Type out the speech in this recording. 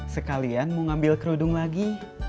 sekalian mau ngambil kerudung lagi